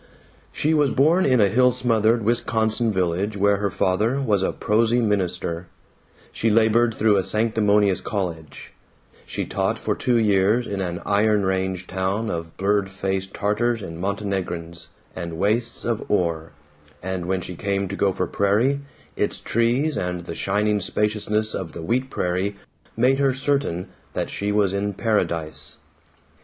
She was born in a hill smothered Wisconsin village where her father was a prosy minister; she labored through a sanctimonious college; she taught for two years in an iron range town of blurry faced Tatars and Montenegrins, and wastes of ore, and when she came to Gopher Prairie, its trees and the shining spaciousness of the wheat prairie made her certain that she was in paradise.